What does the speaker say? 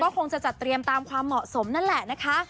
คงจะจัดเตรียมตามความเหมาะสมนั่นแหละนะคะ